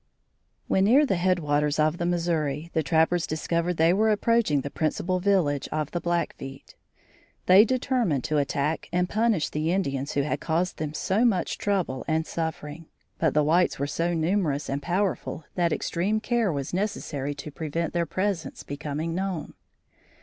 When near the head waters of the Missouri, the trappers discovered they were approaching the principal village of the Blackfeet. They determined to attack and punish the Indians who had caused them so much trouble and suffering; but the whites were so numerous and powerful that extreme care was necessary to prevent their presence becoming known.